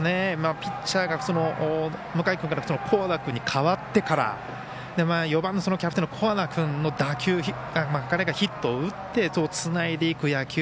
ピッチャーが向井君から古和田君に代わってから４番キャプテンの古和田君彼がヒットを打ってつないでいく野球。